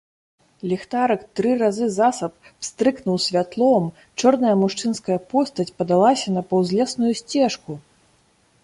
Ліхтарык тры разы засаб пстрыкнуў святлом, чорная мужчынская постаць падалася на паўзлесную сцежку.